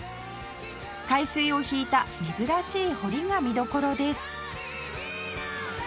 海水を引いた珍しい堀が見どころです